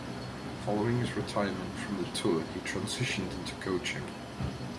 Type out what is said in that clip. Following his retirement from the tour he transitioned into coaching.